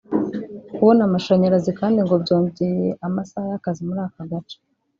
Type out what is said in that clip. Kubona amashanyarazi kandi ngo byongeye amasaha y’akazi muri aka gace